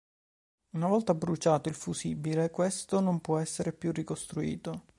Una volta "bruciato" il fusibile questo non può più essere ricostruito.